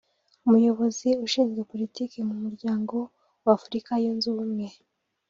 umuyobozi ushinzwe Politiki mu Muryango wa Afurika yunze Ubumwe